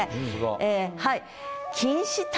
ええはい。